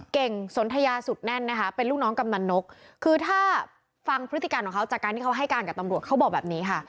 เก่งสนทยาสุดแน่นนะคะเป็นลูกน้องกำนันนกคือถ้าฟังพฤติการของเขาจากการที่เขาให้การกับตำรวจเขาบอกแบบนี้ค่ะ